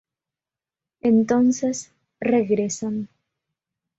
Entonces, regresan.